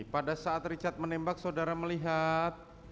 pada saat richard menembak saudara melihat